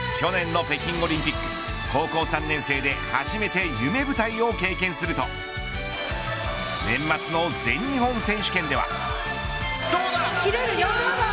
去年の北京オリンピック高校三年生で初めて夢舞台を経験すると年末の全日本選手権では。